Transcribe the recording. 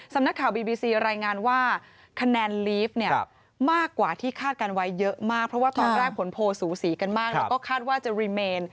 ส่วนใหญ่ก็คือลีฟนำอยู่ตั้งแต่เริ่มต้น